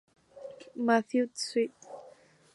Mathew St.